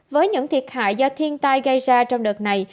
với những thiệt hại do thiên tai gây ra trong đợt này